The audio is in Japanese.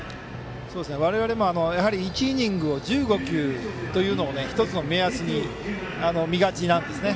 我々も１イニングを１５球というのを１つの目安に見がちなんですね